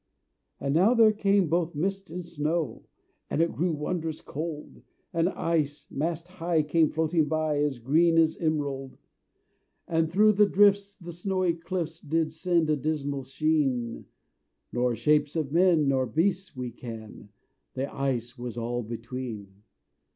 And now there came both mist and snow, And it grew wondrous cold: And ice, mast high, came floating by, As green as emerald. And through the drifts the snowy clifts Did send a dismal sheen: Nor shapes of men nor beasts we ken The ice was all between.